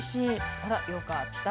あらよかった。